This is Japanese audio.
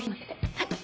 はい。